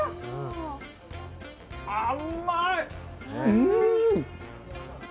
あんまい！